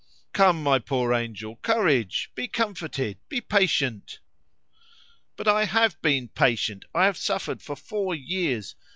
"Come, my poor angel, courage! Be comforted! be patient!" "But I have been patient; I have suffered for four years.